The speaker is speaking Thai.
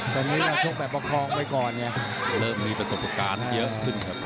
ตอนนี้เราชกแบบประคองไว้ก่อนไงเริ่มมีประสบการณ์เยอะขึ้นครับ